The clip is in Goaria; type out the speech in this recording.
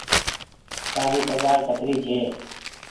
تآري پگهآر ڪتري ڇي۔